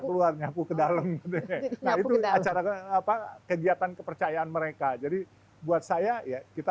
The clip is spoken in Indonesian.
keluar nyapu dan ped creatively apa kegiatan kepercayaan mereka jadi buat saya ya kita